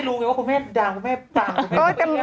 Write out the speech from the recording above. ไม่รู้เลยว่าคุณแม่ดังคุณแม่ต่างคุณแม่